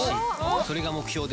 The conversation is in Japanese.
それが目標です。